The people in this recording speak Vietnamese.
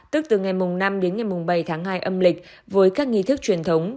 tức từ ngày mùng năm đến ngày mùng bảy tháng hai âm lịch với các nghị thức truyền thống